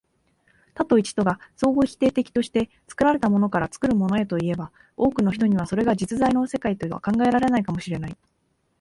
多と一とが相互否定的として、作られたものから作るものへといえば、多くの人にはそれが実在の世界とは考えられないかも知れない。